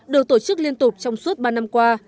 được tổ chức liên tục trong suốt ba năm qua